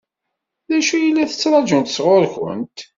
D acu i la ttṛaǧunt sɣur-kent?